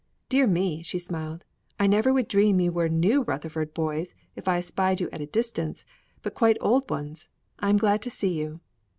"Dear me!" she smiled. "I never would dream you were new Rutherford boys if I espied you at a distance, but quite old ones. I am glad to see you."